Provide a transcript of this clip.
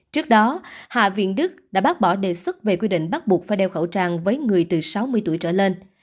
trước đó hạ viện đức đã bác bỏ đề xuất về quy định bắt buộc phải đeo khẩu trang với người từ sáu mươi tuổi trở lên